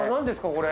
これ。